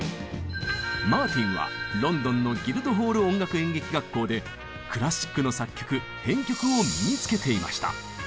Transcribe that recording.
マーティンはロンドンのギルドホール音楽演劇学校でクラシックの作曲編曲を身につけていました。